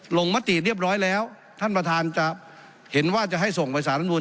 มติเรียบร้อยแล้วท่านประธานจะเห็นว่าจะให้ส่งไปสารรัฐมนุน